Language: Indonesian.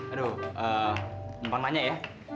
aduh emang tanya ya